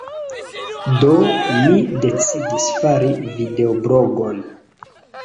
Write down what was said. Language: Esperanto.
Do mi decidis fari videoblogon.